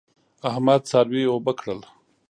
احمد څاروي اوبه کړل.